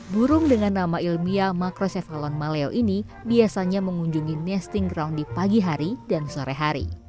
burung dengan nama ilmiah makrosefalon maleo ini biasanya mengunjungi nesting ground di pagi hari dan sore hari